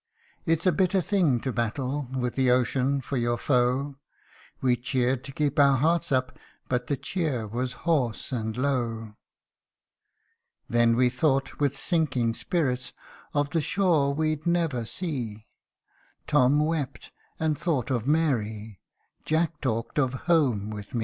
It's a bitter thing to battle With the ocean for your foe : We cheered to keep our hearts up, But the cheer was hoarse and low. Then we thought, with sinking spirits, Of the shore we'd never see : Tom wept, and thought of Mary t Jack talked of home with me.